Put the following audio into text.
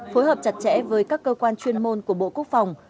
phối hợp chặt chẽ với các cơ quan chuyên môn của bộ quốc phòng